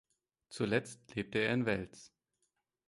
Zuletzt lebte er in Wels.